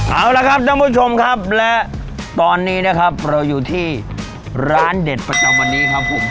เอาละครับท่านผู้ชมครับและตอนนี้นะครับเราอยู่ที่ร้านเด็ดประจำวันนี้ครับผม